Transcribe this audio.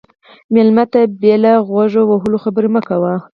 مېلمه ته بې له غوږ وهلو خبرې مه کوه.